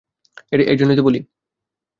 এইজন্যই তো বলি!